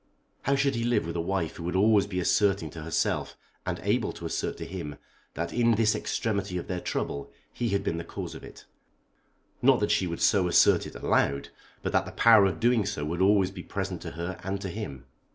How should he live with a wife who would always be asserting to herself, and able to assert to him, that in this extremity of their trouble he had been the cause of it; not that she would so assert it aloud, but that the power of doing so would be always present to her and to him?